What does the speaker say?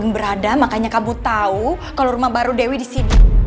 dia udah berada makanya kamu tau kalo rumah baru dewi disini